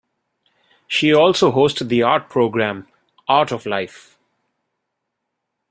She also hosted the art programme "Art of Life".